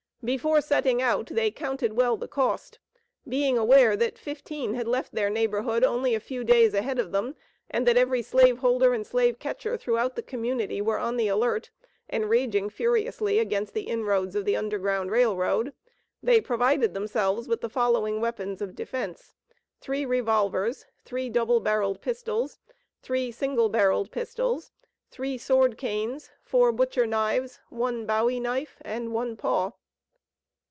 Before setting out they counted well the cost. Being aware that fifteen had left their neighborhood only a few days ahead of them, and that every slave holder and slave catcher throughout the community, were on the alert, and raging furiously against the inroads of the Underground Rail Road, they provided themselves with the following weapons of defense: three revolvers, three double barreled pistols, three single barreled pistols, three sword canes, four butcher knives, one bowie knife, and one paw.